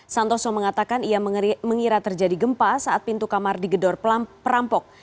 santoso mengatakan ia mengira terjadi gempa saat pintu kamar digedor perampok